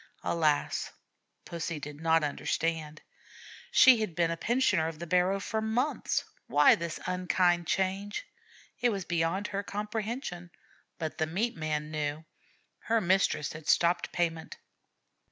Alas! Pussy did not understand. She had been a pensioner of the barrow for months. Why this unkind change? It was beyond her comprehension. But the meat man knew. Her mistress had stopped payment.